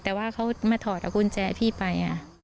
แต่ว่าเขามาถอดเอากุญแจพี่ไป